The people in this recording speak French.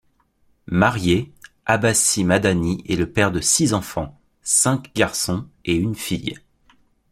Marié, Abbassi Madani est le père de six enfants, cinq garçons et une fille.